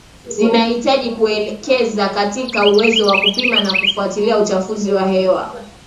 zinahitaji kuekeza katika uwezo wa kupima na kufuatilia uchafuzi wa hewa